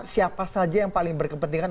siapa saja yang paling berkepentingan